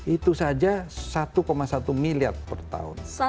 itu saja satu satu miliar per tahun